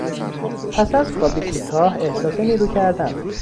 پس از خوابی کوتاه احساس نیرو کردن